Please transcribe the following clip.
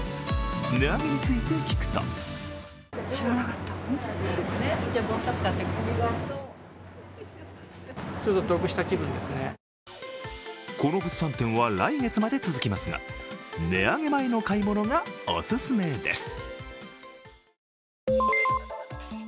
値上げについて聞くとこの物産展は来月まで続きますが値上げ前の買い物がおすすめです。